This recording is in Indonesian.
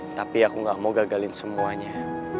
tapi aku gak mau gagalin semuanya